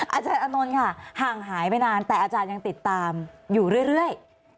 อาจารย์อานนท์ค่ะห่างหายไปนานแต่อาจารย์ยังติดตามอยู่เรื่อย